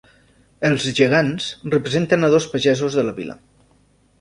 Els gegants representen a dos pagesos de la vila.